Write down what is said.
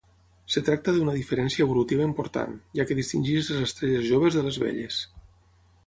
Es tracta d'una diferència evolutiva important, ja que distingeix les estrelles joves de les velles.